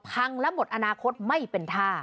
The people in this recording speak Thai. และหมดอนาคตไม่เป็นท่า